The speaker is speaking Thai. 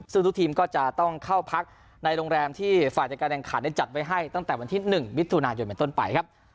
ซึ่งทุกทีมก็จะต้องเข้าพักในโรงแรมที่ฝ่ายจัดการแข่งขันได้จัดไว้ให้ตั้งแต่วันที่๑มิถุนายนเป็นต้นไปครับ